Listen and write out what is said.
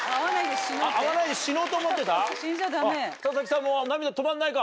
「会わないで死のうと思ってた」？